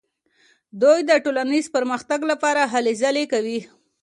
دوی د ټولنیز پرمختګ لپاره هلې ځلې کوي.